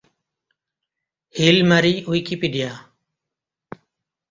hill Mari Wikipedia